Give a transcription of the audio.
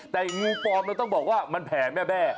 แต่งูปลอมเราต้องบอกว่ามันแผ่แม่